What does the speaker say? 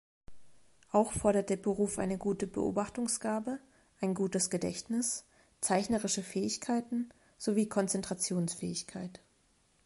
Auch fordert der Beruf eine gute Beobachtungsgabe, ein gutes Gedächtnis, zeichnerische Fähigkeiten sowie Konzentrationsfähigkeit.